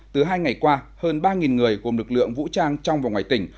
từ hai ngày qua hơn ba người gồm lực lượng vũ trang trong và ngoài tỉnh